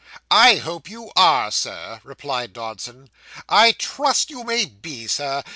'I hope you are, Sir,' replied Dodson; 'I trust you may be, Sir.